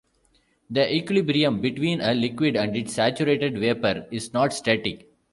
The equilibrium between a liquid and its saturated vapor is not static.